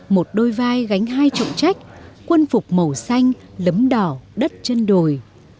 một đôi vai gánh hai trọng trách quân phục màu xanh lấm đỏ đất chân đồi